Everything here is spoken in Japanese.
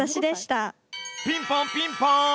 ピンポンピンポン！